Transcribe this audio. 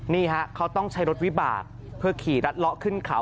นี่ฮะเขาต้องใช้รถวิบากเพื่อขี่รัดเลาะขึ้นเขา